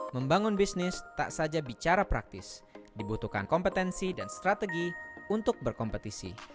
membangun bisnis tak saja bicara praktis dibutuhkan kompetensi dan strategi untuk berkompetisi